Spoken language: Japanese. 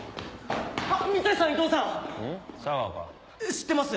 知ってます？